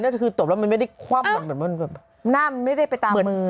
ก็คือตบแล้วมันไม่ได้คว่ำมันเหมือนมันแบบหน้ามันไม่ได้ไปตามมือ